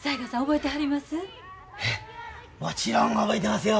ええもちろん覚えてますよ。